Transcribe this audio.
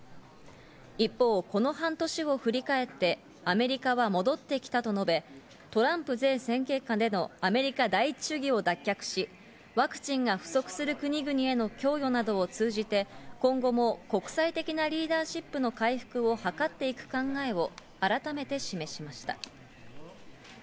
一方、この半年を振り返って、アメリカは戻ってきたと述べ、トランプ前政権下でのアメリカ第一主義を脱却し、ワクチンが不足する国々への供与などを通じて今後も国際的なリーダーシップの回復を図っていく考えを改めて示しました。